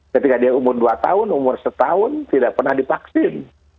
ketika dia umur dua tahun umur satu tahun tidak pernah dipaksin